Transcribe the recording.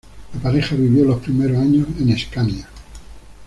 La pareja vivió los primeros años en Escania.